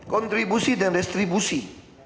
kontribusi dan distribusi